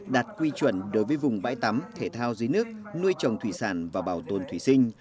đạt quy chuẩn đối với vùng bãi tắm thể thao dưới nước nuôi trồng thủy sản và bảo tồn thủy sinh